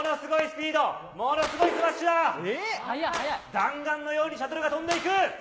弾丸のようにシャトルが飛んでいく。